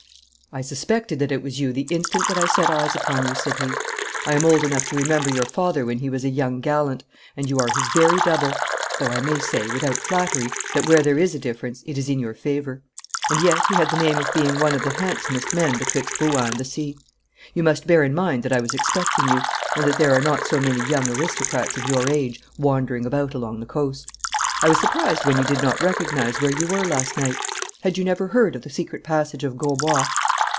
'I suspected that it was you the instant that I set eyes upon you,' said he. 'I am old enough to remember your father when he was a young gallant, and you are his very double though I may say, without flattery, that where there is a difference it is in your favour. And yet he had the name of being one of the handsomest men betwixt Rouen and the sea. You must bear in mind that I was expecting you, and that there are not so many young aristocrats of your age wandering about along the coast. I was surprised when you did not recognise where you were last night. Had you never heard of the secret passage of Grosbois?'